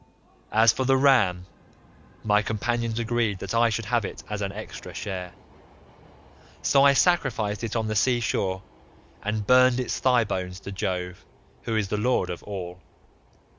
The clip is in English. As for the ram, my companions agreed that I should have it as an extra share; so I sacrificed it on the sea shore, and burned its thigh bones to Jove, who is the lord of all.